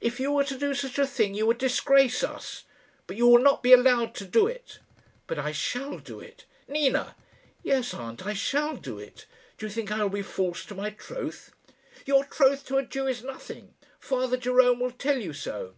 "If you were to do such a thing you would disgrace us. But you will not be allowed to do it." "But I shall do it." "Nina!" "Yes, aunt. I shall do it. Do you think I will be false to my troth?" "Your troth to a Jew is nothing. Father Jerome will tell you so."